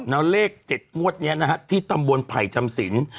แล้วเลข๗งวดนี้นะฮะที่ตำบลไผ่จำสิน